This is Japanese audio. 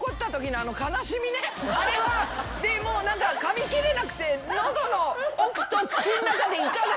でもう何かかみ切れなくて喉の奥と口の中でイカが。